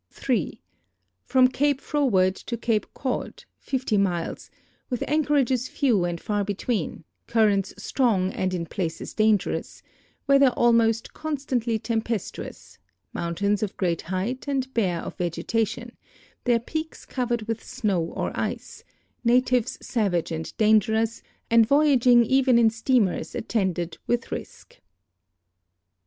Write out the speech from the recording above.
(3) From Cape Fro ward to Cape Quod, 50 miles, Avith anchorages few and far be tween, currents strong and in places dangerous, weather almost constantly tempestuous, mountains of great height and bare of vegetation, their peaks covered with snow or ice, natives savage and dangerous, and voyaging even in steamers attended with risk.